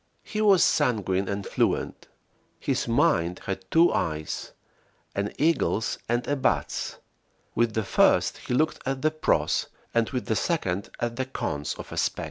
He was sanguine and fluent. His mind had two eyes, an eagle's and a bat's; with the first he looked at the "pros," and with the second at the "cons" of a spec.